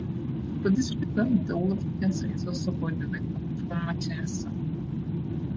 For this reason the Weyl tensor is also called the conformal tensor.